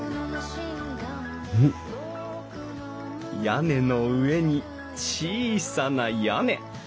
屋根の上に小さな屋根。